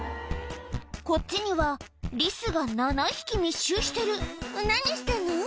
こっちにはリスが７匹密集してる何してんの？